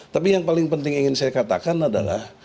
tapi yang paling penting ingin saya katakan adalah